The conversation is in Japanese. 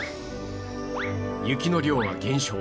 雪の量は減少。